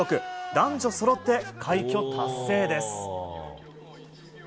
男女そろって快挙達成です。